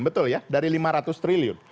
betul ya dari lima ratus triliun